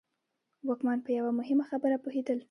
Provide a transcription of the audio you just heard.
واکمن په یوه مهمه خبره پوهېدل.